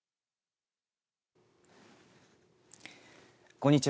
こんにちは。